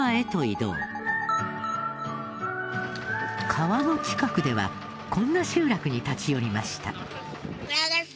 川の近くではこんな集落に立ち寄りました。